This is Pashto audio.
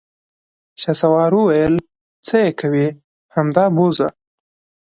شهسوار وويل: څه يې کوې، همدا بوځه!